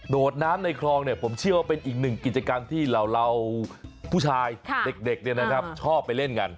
ดน้ำในคลองผมเชื่อว่าเป็นอีกหนึ่งกิจกรรมที่เหล่าผู้ชายเด็กชอบไปเล่นกัน